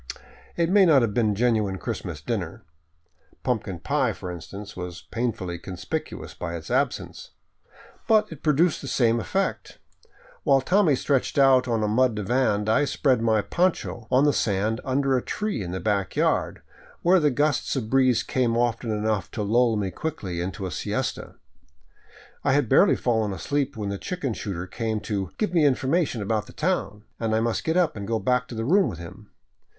It may not have been a genuine Christmas dinner. Pumpkin pie, for instance, was painfully conspicuous by its absence. But it produced the same effect. While Tommy stretched out on a mud divan, I spread my poncho on the sand under a tree in the back yard, where the gusts of breeze came often enough to lull me quickly into a siesta. I had barely fallen asleep when the chicken shooter came to " give me Information about the town," and I must get up and go back to the room with him.